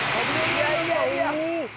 いやいやいや。